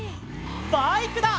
バイクだ！